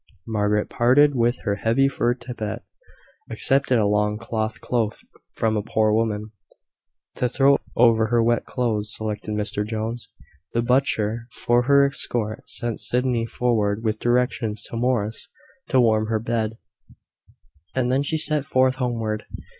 Margaret parted with her heavy fur tippet, accepted a long cloth cloak from a poor woman, to throw over her wet clothes, selected Mr Jones, the butcher, for her escort, sent Sydney forward with directions to Morris to warm her bed, and then she set forth homeward.